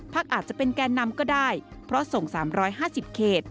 อาจจะเป็นแกนนำก็ได้เพราะส่ง๓๕๐เขต